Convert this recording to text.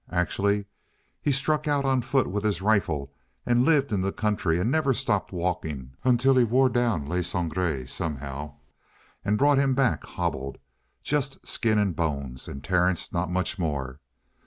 Actually, he struck out on foot with his rifle and lived in the country and never stopped walking until he wore down Le Sangre somehow and brought him back hobbled just skin and bones, and Terence not much more.